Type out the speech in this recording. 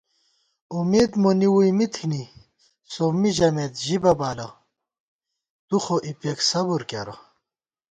امېد مونی ووئی می تھنی سومّی ژَمېت ژِبہ بالہ تُو خو اِپېک صبُر کېرہ